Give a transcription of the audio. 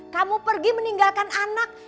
kamu pergi meninggalkan anak